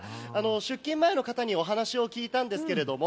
出勤前の方にお話を聞いたんですけれども。